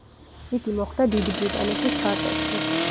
იგი მოხვდა დიდი ბრიტანეთის ჩარტებში.